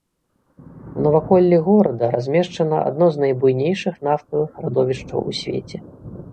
У наваколлі горада размешчана адно з найбуйнейшых нафтавых радовішчаў у свеце.